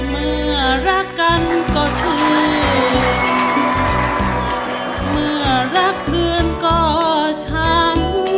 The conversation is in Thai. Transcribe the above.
เมื่อรักกันก็ช่วยเมื่อรักคืนก็ช้ำ